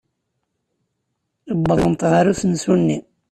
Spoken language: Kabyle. Wwḍent ɣer usensu-nni.